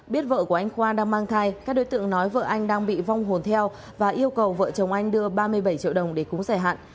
biết vợ của anh khoa đang mang thai các đối tượng nói vợ anh đang bị vong hồn theo và yêu cầu vợ chồng anh đưa ba mươi bảy triệu đồng để cúng giải hạn